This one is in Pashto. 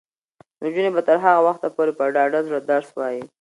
نجونې به تر هغه وخته پورې په ډاډه زړه درس وايي.